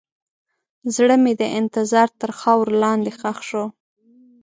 زړه مې د انتظار تر خاورو لاندې ښخ شو.